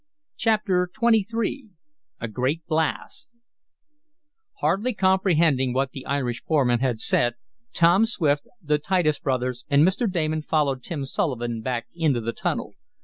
Chapter XXIII A Great Blast Hardly comprehending what the Irish foreman had said, Tom Swift, the Titus brothers and Mr. Damon followed Tim Sullivan back into the tunnel.